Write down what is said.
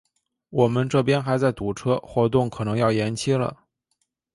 我们这边还在堵车，活动可能要延期了。